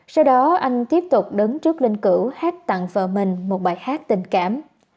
sau đó anh tiếp tục đứng trước linh cử hát tặng vợ mình một bài hát tình cảm